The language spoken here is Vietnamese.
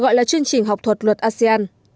gọi là chuyên trình học thuật luật asean